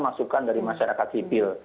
masukan dari masyarakat civil